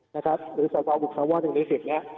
นะครับหรือสตพิวพ์ควหนึ่งนิสิบเนี่ย